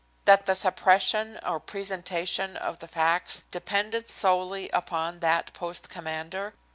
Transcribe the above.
that the suppression or presentation of the facts depended solely upon that post commander?